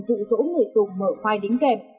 dụ dỗ người dùng mở file đính kèm